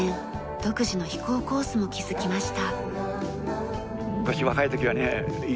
独自の飛行コースも築きました。